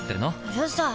うるさい！